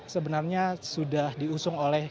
sebenarnya sudah diusung oleh